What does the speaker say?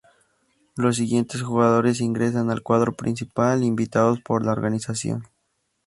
Los siguientes jugadores ingresan al cuadro principal invitados por la organización.